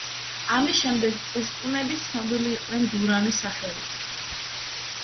ამის შემდეგ პუშტუნები ცნობილი იყვნენ დურანის სახელით.